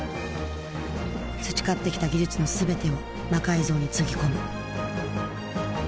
培ってきた技術の全てを魔改造につぎ込む。